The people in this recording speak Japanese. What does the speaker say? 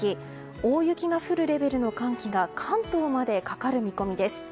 大雪が降るレベルの寒気が関東までかかる見込みです。